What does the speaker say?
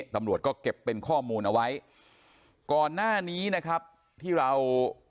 ตำรวจก็เก็บเป็นข้อมูลเอาไว้ก่อนหน้านี้นะครับที่เรา